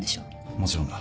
もちろんだ。